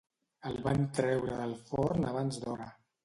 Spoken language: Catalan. El van treure del forn abans d'hora.